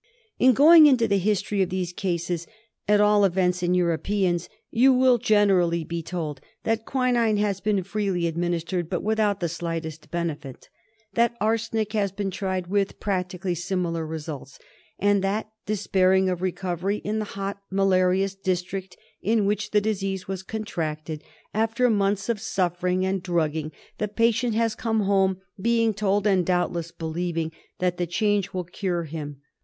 #' 1 34 KALA AZAR. In going into the history of these cases, at all events in Europeans, you will generally be told that quinine has been freely administered but without the slightest bene fit ; that arsenic has been tried with practically similar results ; and that, despairing of recovery in the hot mala rious district in which the disease was contracted, after months of suffering and drugging the patient has come home being told, and doubtless believing, that the change will cure him.